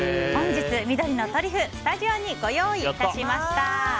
本日、緑のトリフスタジオにご用意致しました。